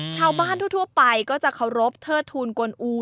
ชาวบ้านทั่วไปก็จะเคารพเทิดทูลกวนอู